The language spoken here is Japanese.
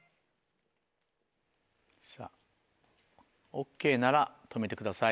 ＯＫなら止めてください。